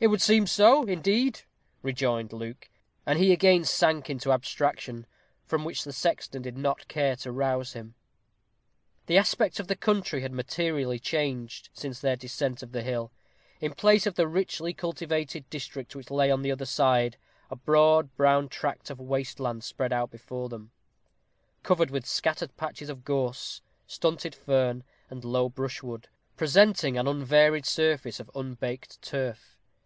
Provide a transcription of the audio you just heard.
"It would seem so, indeed," rejoined Luke; and he again sank into abstraction, from which the sexton did not care to arouse him. The aspect of the country had materially changed since their descent of the hill. In place of the richly cultivated district which lay on the other side, a broad brown tract of waste land spread out before them, covered with scattered patches of gorse, stunted fern, and low brushwood, presenting an unvaried surface of unbaked turf.